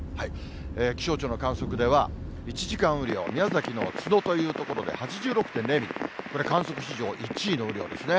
気象庁の観測では、１時間雨量、宮崎の都農という所で８６．０ミリ、これ観測史上１位の雨量ですね。